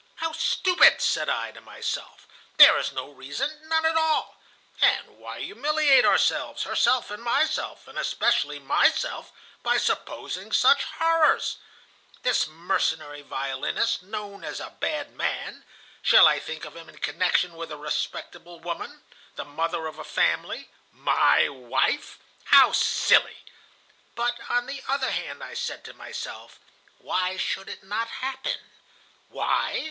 "'How stupid!' said I to myself; 'there is no reason, none at all. And why humiliate ourselves, herself and myself, and especially myself, by supposing such horrors? This mercenary violinist, known as a bad man,—shall I think of him in connection with a respectable woman, the mother of a family, my wife? How silly!' But on the other hand, I said to myself: 'Why should it not happen?' "Why?